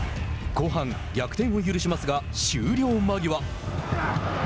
後半、逆転を許しますが終了間際。